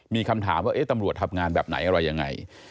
มีคำถามว่าตำรวจทำงานแบบไหนอะไรยังไง